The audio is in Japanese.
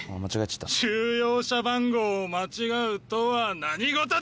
収容者番号を間違うとは何ごとだ！